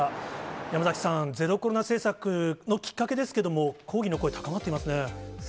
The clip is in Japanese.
山崎さん、ゼロコロナ政策のきっかけですけれども、抗議の声、高まっていますね。